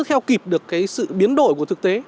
theo kịp được cái sự biến đổi của thực tế